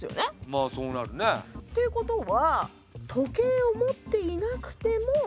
まあそうなるね。ということは時計を持っていなくても。